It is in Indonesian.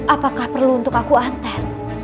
apakah perlu untuk aku antar